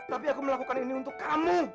tapi aku melakukan ini untuk kamu